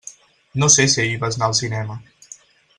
No sé si ahir vas anar al cinema.